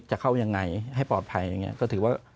จะเข้ายังไงให้ปลอดภัยอย่างเงี้ย